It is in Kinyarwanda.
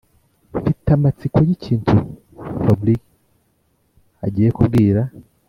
mfite amatsiko yikintu fabric agiye kubwira.